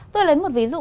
tôi lấy một ví dụ